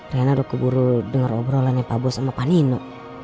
ternyata udah keburu dengar obrolannya pak bos sama pak nino